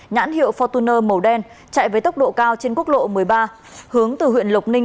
nhãn hiệu fortuner màu đen chạy với tốc độ cao trên quốc lộ một mươi ba hướng từ huyện lộc ninh